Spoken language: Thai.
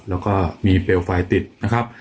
แล้วก็มีเปลวไฟติดนะครับ